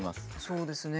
そうですね。